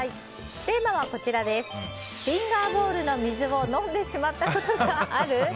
テーマは、フィンガーボウルの水を飲んでしまったことがある？